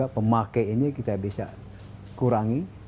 pemakai ini bisa kita kurangi